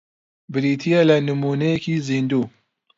بریتییە لە نموونەیەکی زیندوو